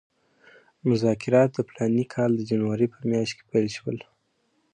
مذاکرات د فلاني کال د جنورۍ په پای کې پیل شول.